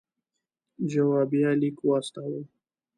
جوابیه لیک واستاوه.